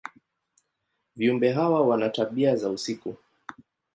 Viumbe hawa wana tabia za usiku.